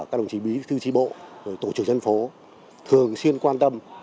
các đồng chí bí thư trí bộ tổ trực dân phố thường xuyên quan tâm